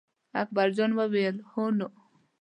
اکبر جان وویل: هو نو.